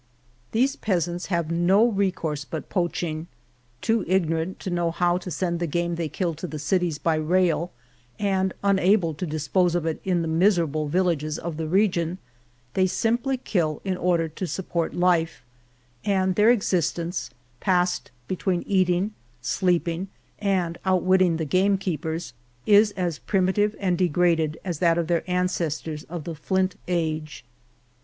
These peasants have no resource but poaching. Too ignorant to know how to send the game they kill to the cities by rail, and unable to dispose of it in the miserable villages of the region, they simply kill in or der to support life, and their existence, passed between eating, sleeping, and outwitting the gamekeepers, is as primitive and degraded as that of their ancestors of the Flint Age.